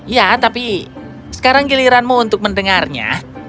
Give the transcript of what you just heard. ya tapi sekarang giliranmu untuk mendengarnya